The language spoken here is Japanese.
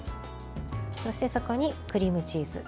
そして、そこにクリームチーズ。